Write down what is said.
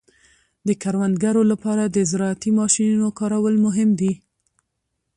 د کروندګرو لپاره د زراعتي ماشینونو کارول مهم دي.